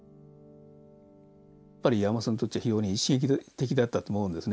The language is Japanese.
やっぱり山本さんにとっては非常に刺激的だったと思うんです。